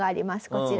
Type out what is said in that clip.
こちら。